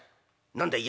「何だい？